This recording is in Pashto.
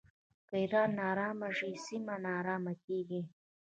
که ایران ناارامه شي سیمه ناارامه کیږي.